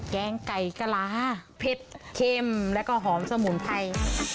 แกงไก่กะลาเผ็ดเข้มแล้วก็หอมสมุนไพร